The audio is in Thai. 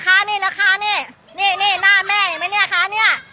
ค้าเนี้ยค้าเนี้ยนี่นี่หน้าแม่เห็นไหมเนี้ยค้าเนี้ย